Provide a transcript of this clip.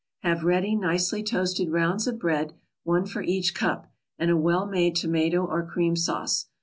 Have ready nicely toasted rounds of bread, one for each cup, and a well made tomato or cream sauce.